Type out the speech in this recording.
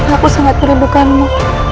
aku sangat merindukanmu